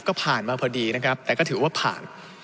ก็ผ่านมาพอดีนะครับแต่ก็ถือว่าผ่าน